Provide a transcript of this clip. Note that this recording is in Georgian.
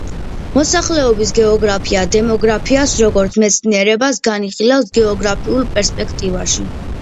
მოსახლეობის გეოგრაფია, დემოგრაფიას, როგორც მეცნიერებას, განიხილავს გეოგრაფიულ პერსპექტივაში.